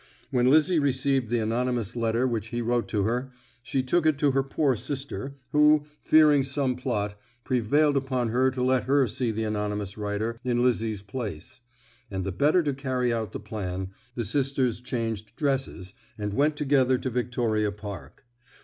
When Lizzie received the anonymous letter which he wrote to her, she took it to her poor sister, who, fearing some plot, prevailed upon her to let her see the anonymous writer in Lizzie's place; and, the better to carry out the plan, the sisters changed dresses, and went together to Victoria Park.